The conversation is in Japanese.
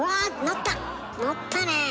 乗ったねえ！